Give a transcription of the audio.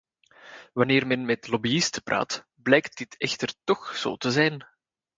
Wanneer men met de lobbyisten praat, blijkt dit echter toch zo te zijn.